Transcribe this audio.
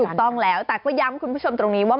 ถูกต้องแล้วแต่ก็ย้ำคุณผู้ชมตรงนี้ว่า